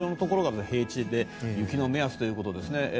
マイナス６度水色のところが平地で雪の目安ということですね。